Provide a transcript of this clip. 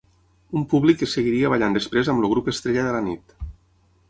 Un públic que seguiria ballant després amb el grup estrella de la nit.